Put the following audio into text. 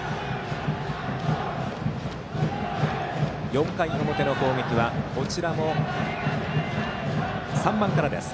４回表の攻撃はこちらも３番からです。